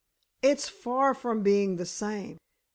"It's far from being the same.